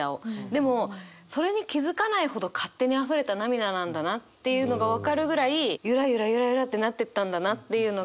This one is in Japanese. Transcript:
でもそれに気付かないほど勝手にあふれた涙なんだなっていうのが分かるぐらいゆらゆらゆらゆらってなってったんだなっていうのが分かって。